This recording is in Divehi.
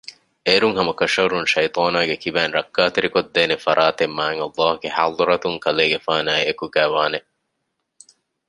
އޭރުން ހަމަކަށަވަރުން ޝައިޠާނާގެ ކިބައިން ރައްކާތެރިކޮށްދޭނެ ފަރާތެއް މާތްﷲގެ ޙަޟްރަތުން ކަލޭގެފާނާއި އެކުގައިވާނެ